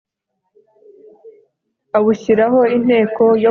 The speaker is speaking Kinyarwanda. awushyiraho inteko yo kuwurinda